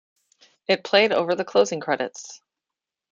It played over the closing credits.